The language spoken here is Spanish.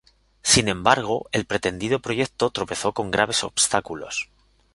Sin embargo, el pretendido proyecto tropezó con graves obstáculos.